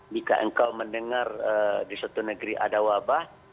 jika engkau mendengar di suatu negeri ada wabah